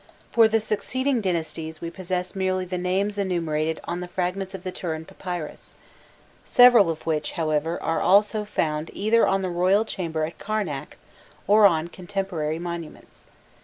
For the succeeding dynasties we possess merely the names enumerated on the fragments of the Turin Papyrus, several of which, however, are also found either in the royal chamber at Karnak, or on contemporary monuments.